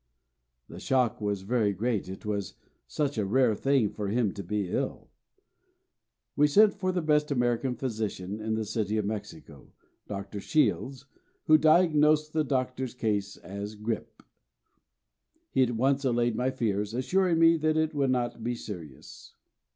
The shock was very great, it was such a rare thing for him to be ill. We sent for the best American physician in the city of Mexico, Dr. Shields, who diagnosed the Doctor's case as grippe. He at once allayed my fears, assuring me that it would not be serious.